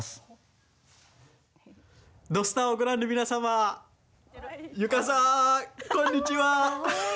「土スタ」をご覧の皆様、優香さんこんにちは。